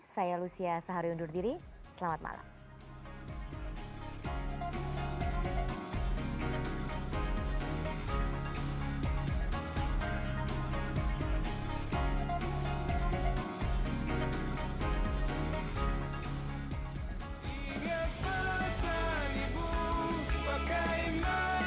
saya lucia sehari undur diri selamat malam